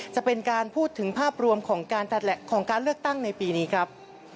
จะเป็นการพูดถึงภาพรวมของการเลือกตั้งในปีนี้ครับ